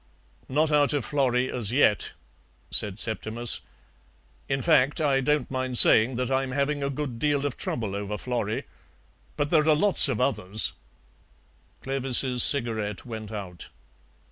"Not out of Florrie, as yet," said Septimus; "in fact, I don't mind saying that I'm having a good deal of trouble over Florrie. But there are a lot of others." Clovis's cigarette went out.